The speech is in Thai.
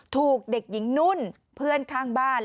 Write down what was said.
ถูกเด็กหญิงนุ่นเพื่อนข้างบ้าน